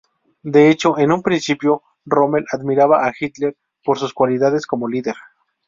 De hecho, en un principio Rommel admiraba a Hitler por sus cualidades como líder.